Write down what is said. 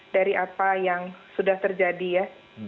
dari apa yang sudah terjadi ya